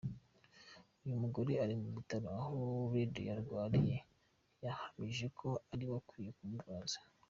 Uyu mugore ari mu bitaro aho Radio arwariye yahamije ko ariwe ukwiye kumurwaza.